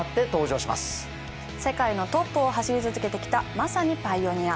世界のトップを走り続けてきたまさにパイオニア。